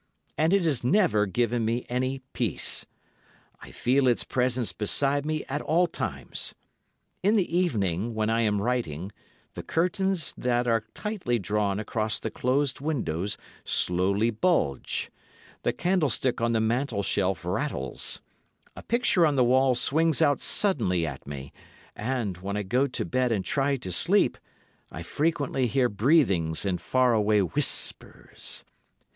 And it has never given me any peace. I feel its presence beside me at all times. In the evening, when I am writing, the curtains that are tightly drawn across the closed windows slowly bulge, the candlestick on the mantel shelf rattles, a picture on the wall swings out suddenly at me, and, when I go to bed and try to sleep, I frequently hear breathings and far away whispers.